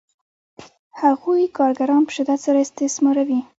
هغوی کارګران په شدت سره استثماروي